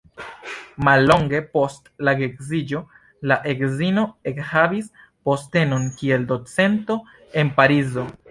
Mallonge post la geedziĝo la edzino ekhavis postenon kiel docento en Parizo.